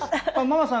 ママさん